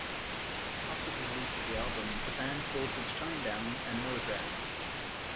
After the release of the album, the band toured with Shinedown and No Address.